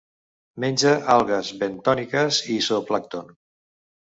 Menja algues bentòniques i zooplàncton.